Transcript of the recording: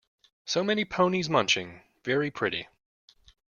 So many ponies munching; very pretty!